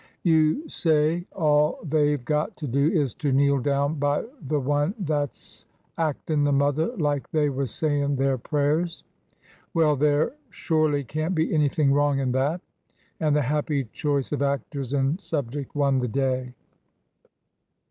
You say all they 've got to do is to kneel down by the one that 's actin' the mother, like they was sayin' their prayers? Well! there shorely can't be anything wrong in that I " And the happy choice of actors and subject won the day.